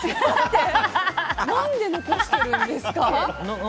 何で残してるんですか？